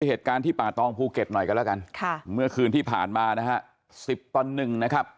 ฮมคเมื่อคืนที่ผ่านมานะฮะ๑๐ตอน๑นะครับ